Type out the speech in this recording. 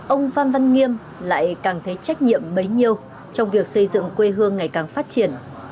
ông phan văn nghiêm lại càng thấy trách nhiệm bấy nhiêu trong việc xây dựng quê hương ngày càng phát triển